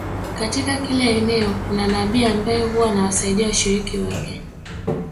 Katika kila eneo kuna nabii ambaye huwa anawasaidia washiriki wake